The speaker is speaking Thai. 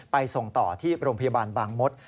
ส่งต่อที่โรงพยาบาลบางมศ